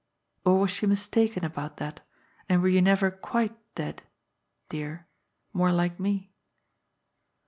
Or was she mistaken about that, and were you never quite dead— dear — more like me?"